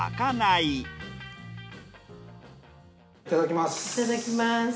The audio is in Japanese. いただきます。